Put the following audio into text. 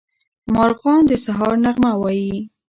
مارغان د سهار نغمه وايي.